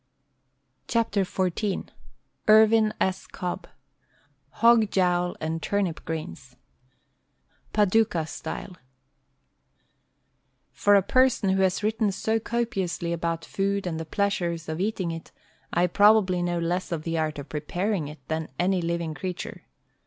THE STAG COOK BOOK XIV Irvin S. Cobb HOG JOWL AND TURNIP GREENS Paducah Style For a person who has written so copiously about food and the pleasures of eating it, I probably know less of the art of preparing it than any living creature.